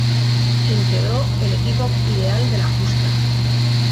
Integró el equipo ideal de la justa.